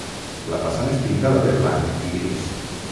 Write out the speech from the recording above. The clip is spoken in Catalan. La façana és pintada de blanc i gris.